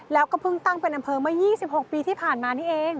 แล้วก็เพิ่งตั้งเป็นอำเภอเมื่อ๒๖ปีที่ผ่านมานี่เอง